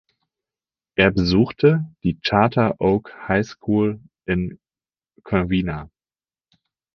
Er besuchte die Charter Oak High School in Covina.